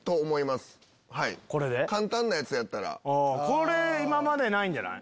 これ今までないんじゃない？